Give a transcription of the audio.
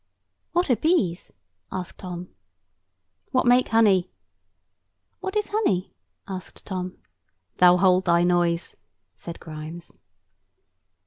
"What are bees?" asked Tom. "What make honey." "What is honey?" asked Tom. "Thou hold thy noise," said Grimes.